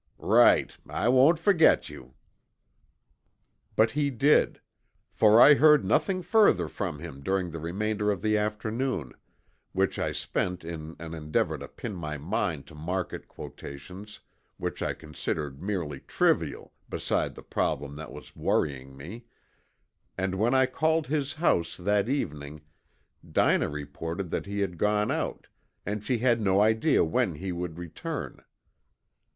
"Right. I won't forget you." But he did, for I heard nothing further from him during the remainder of the afternoon, which I spent in an endeavor to pin my mind to market quotations which I considered merely trivial beside the problem that was worrying me, and when I called his house that evening Dinah reported that he had gone out and she had no idea when he would return.